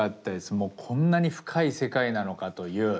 もうこんなに深い世界なのかという。